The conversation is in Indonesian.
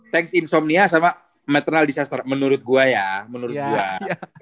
thanks insomnia sama maternal disaster menurut gue ya menurut gue